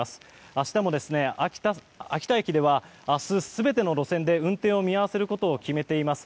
明日も秋田駅では明日、全ての路線で運転を見合わせることを決めています。